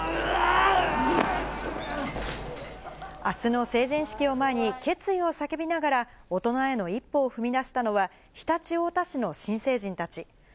あすの成人式を前に、決意を叫びながら、大人への一歩を踏み出したのは、常陸太田市の新成人たち。